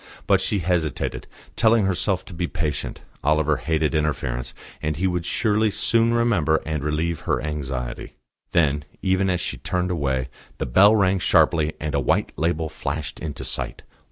But she hesitated, telling herself to be patient. Oliver hated interference, and he would surely soon remember and relieve her anxiety. Then, even as she turned away, the bell rang sharply, and a white label flashed into sight.